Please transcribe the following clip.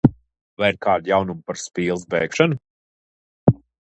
Vai ir kādi jaunumi par Spīles bēgšanu?